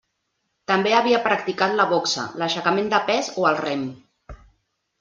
També havia practicat la boxa, l'aixecament de pes o el rem.